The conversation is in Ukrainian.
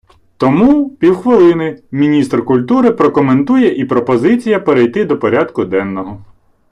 Тому, півхвилини, міністр культури прокоментує і пропозиція перейти до порядку денного.